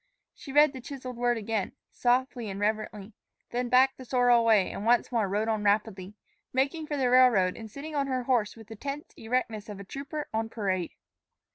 She read the chiseled word again, softly and reverently, then backed the sorrel away and once more rode on rapidly, making for the railroad and sitting her horse with the tense erectness of a trooper on parade.